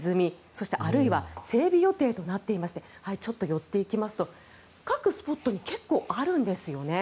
そして、あるいは整備予定となっていましてちょっと寄っていきますと各スポットに結構あるんですよね。